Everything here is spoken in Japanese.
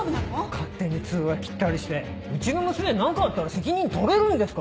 勝手に通話切ったりしてうちの娘に何かあったら責任取れるんですか？